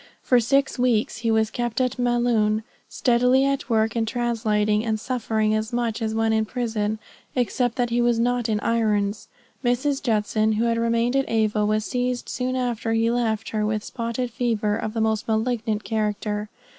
For six weeks he was kept in Maloun, steadily at work in translating, and suffering as much as when in prison except that he was not in irons. Mrs. Judson, who had remained at Ava, was seized soon after he left her with spotted fever of the most malignant character.